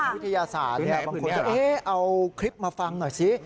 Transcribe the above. วิทยาศาสตร์บางคนก็เอาคลิปมาฟังหน่อยสิ